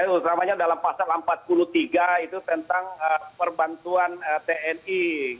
utamanya dalam pasal empat puluh tiga itu tentang perbantuan tni